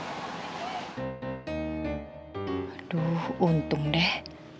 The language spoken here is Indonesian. aduh untung deh